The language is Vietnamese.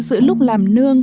giữa lúc làm nương